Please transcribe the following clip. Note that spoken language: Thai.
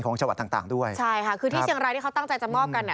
ของจังหวัดต่างต่างด้วยใช่ค่ะคือที่เชียงรายที่เขาตั้งใจจะมอบกันอ่ะ